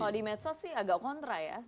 kalau di medsos sih agak kontra ya